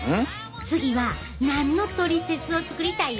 次は何のトリセツを作りたい？